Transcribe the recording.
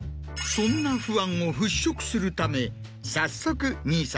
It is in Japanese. そんな不安を払拭するため早速。